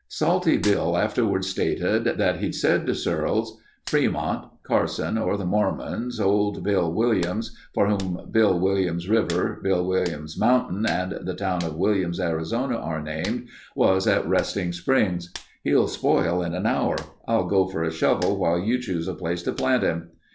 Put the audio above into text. Salty Bill afterwards stated that he'd said to Searles: "'Fremont, Carson, or the Mormons old Bill Williams, for whom Bill Williams River, Bill Williams Mountain, and the town of Williams, Arizona, are named was at Resting Springs. He'll spoil in an hour. I'll go for a shovel while you choose a place to plant him.